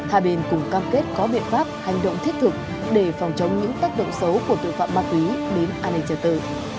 hà bình cũng cam kết có biện pháp hành động thiết thực để phòng chống những tác động xấu của tội phạm ma túy đến an ninh trần tử